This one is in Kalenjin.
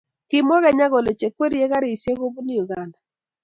kimwa kenya kole chekwerie karishiek chebunu uganda